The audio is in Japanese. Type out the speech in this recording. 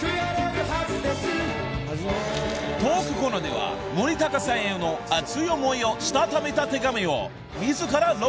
［トークコーナーでは森高さんへの熱い思いをしたためた手紙を自ら朗読］